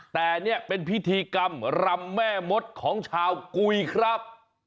แต่นี่เป็นพิธีกรรมรำแม่มดของชาวกุยครับ